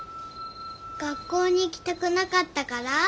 学校に行きたくなかったから？